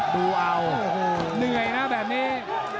เหลื่อยนะแบบนี้